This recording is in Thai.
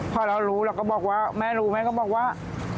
พอเรารู้เราก็บอกว่าแม่รู้แม่ก็บอกว่า